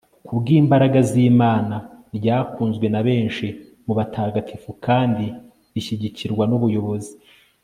ku bw'imbaraga z'imana ryakunzwe na benshi mu batagatifu kandi rishyigikirwa n'ubuyobozi